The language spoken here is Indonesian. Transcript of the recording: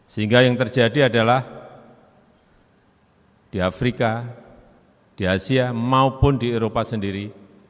sehingga yang terjadi adalah di afrika di asia maupun di eropa sendiri